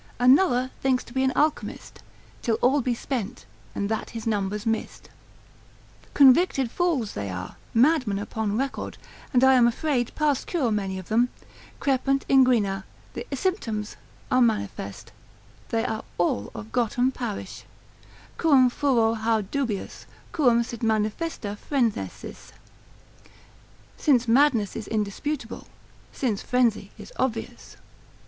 Another thinks to be an Alchemist, Till all be spent, and that his number's mist. Convicted fools they are, madmen upon record; and I am afraid past cure many of them, crepunt inguina, the symptoms are manifest, they are all of Gotam parish: Quum furor haud dubius, quum sit manifesta phrenesis, Since madness is indisputable, since frenzy is obvious.